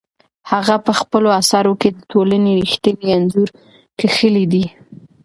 هغه په خپلو اثارو کې د ټولنې رښتینی انځور کښلی دی.